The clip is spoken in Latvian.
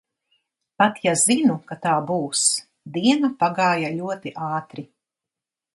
Pat ja zinu, ka tā būs. Diena pagāja ļoti ātri.